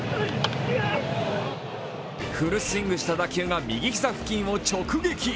フルスイングした打球が右膝付近を直撃。